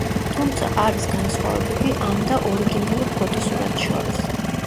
თუმცა, არის განსხვავებები ამ და ორიგინალურ ფოტოსურათს შორის.